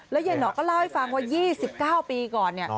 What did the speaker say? แล้วยายหนอกก็เล่าให้ฟังว่า๒๙ปีก่อน